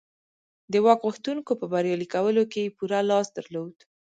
د واک غوښتونکو په بریالي کولو کې یې پوره لاس درلود